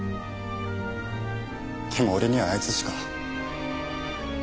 でも俺にはあいつしか。